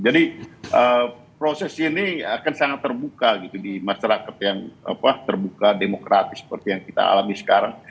jadi proses ini akan sangat terbuka gitu di masyarakat yang terbuka demokratis seperti yang kita alami sekarang